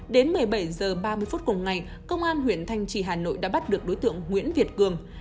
đến một mươi bảy h ba mươi phút cùng ngày công an huyện thanh trì hà nội đã bắt được đối tượng nguyễn việt cường